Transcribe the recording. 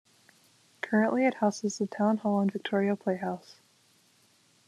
Currently it houses the town hall and Victoria Playhouse.